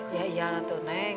yaiyalah tuh neng